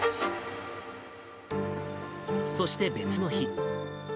そして別の日。